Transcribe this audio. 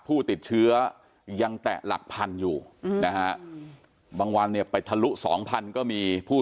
ผู้ติดเชื้อยังแตะหลักพันอยู่นะฮะบางวันเนี่ยไปทะลุ๒๐๐ก็มีผู้